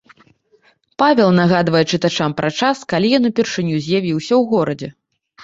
Павел нагадвае чытачам пра час, калі ён упершыню з'явіўся ў горадзе.